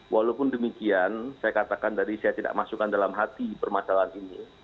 walaupun demikian saya katakan tadi saya tidak masukkan dalam hati permasalahan ini